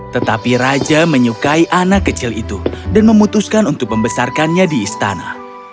tetapi raja menyukai anak kecil itu dan memutuskan untuk membesarkannya di istana